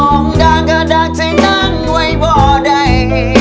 ว่าแท้หลงด้านกระดักที่นั่งไว้บ่อได้